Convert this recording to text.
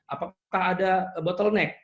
apakah ada bottleneck